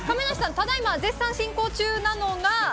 ただいま絶賛進行中なのが。